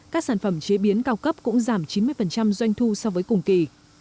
các sản phẩm chế biến cao cấp cũng giảm chín mươi doanh thu so với cùng kỳ